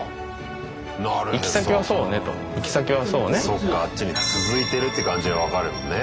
そっかあっちに続いてるって感じが分かるもんね